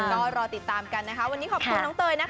ก็รอติดตามกันนะคะวันนี้ขอบคุณน้องเตยนะคะ